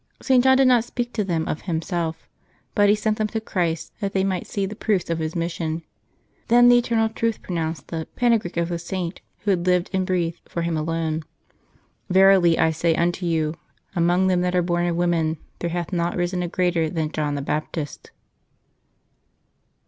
St. John did not speak to them of himself, but he sent them to Christ, that they might see the proofs of His mission. Then the Eternal Truth pronounced the panegyric of the Saint who had lived and breathed for Him alone: "Verilj I say unto you. Among them that are born of women there hath not risen a greater than John the Baptist."